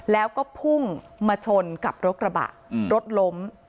แล้วก็พุ่งมาชนกับรถกระบะรถล้ม